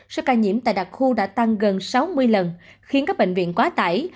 số ca nhiễm tại đặc khu đã tăng gần sáu mươi lần khiến các bệnh viện quá tải